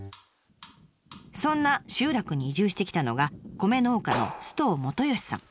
そんな集落に移住してきたのが米農家の首藤元嘉さん。